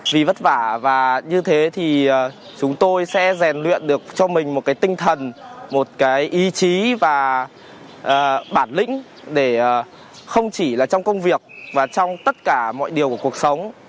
vì vất vả và như thế thì chúng tôi sẽ rèn luyện được cho mình một cái tinh thần một cái ý chí và bản lĩnh để không chỉ là trong công việc và trong tất cả mọi điều của cuộc sống